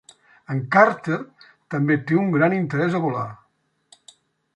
En Carter també te un gran interès a volar.